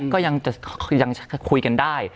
ก็ยังคุยกันได้